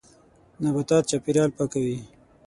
نباتات چاپېریال پاکوي.